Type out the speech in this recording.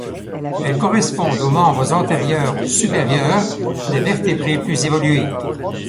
Elles correspondent aux membres antérieurs ou supérieurs des vertébrés plus évolués.